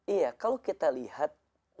iya kalau kita lihat